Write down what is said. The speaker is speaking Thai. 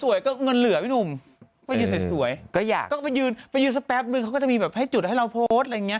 สวยเงินเหลือไม่รู้ไปยืนสวยก็จะอยู่สักแปบก็จะมีประจุดให้เราโพสต์